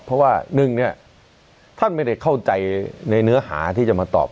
เพราะว่าหนึ่งเนี่ยท่านไม่ได้เข้าใจในเนื้อหาที่จะมาตอบ